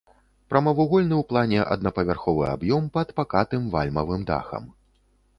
Прамавугольны ў плане аднапавярховы аб'ём пад пакатым вальмавым дахам.